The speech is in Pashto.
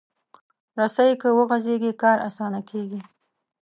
رسۍ که وغځېږي، کار اسانه کېږي.